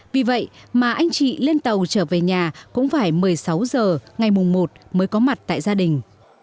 vì vậy mà anh chị lên tàu trở về nhà cũng phải một mươi sáu giờ ngày mùng một mới có mặt tại gia đình